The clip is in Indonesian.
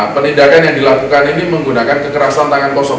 penindakan yang dilakukan ini menggunakan kekerasan tangan kosong